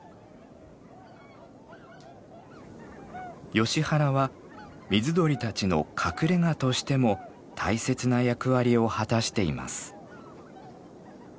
ヨシ原は水鳥たちの隠れがとしても大切な役割を果たしています。